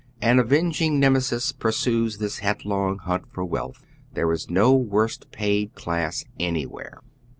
An avenging Nemesis pursues this headlong hunt for wealth ; there is no worse paid class anywliere.